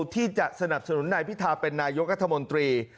ที่จะสนับสนุนนายพิธาเป็นนายกรัฐมนตรี